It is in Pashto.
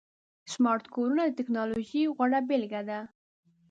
سمارټ کورونه د ټکنالوژۍ غوره بيلګه ده.